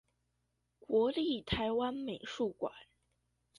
國立臺灣美術館